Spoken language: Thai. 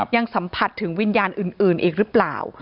ยังสัมผัสถึงวิญญาณอื่นอีกหรือเปล่า